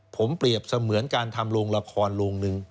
ผมเปรียบเสมือนการทำโรงละครโรงนึง